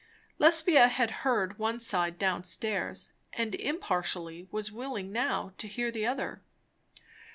Lesbia had heard one side down stairs, and impartially was willing now to hear the other.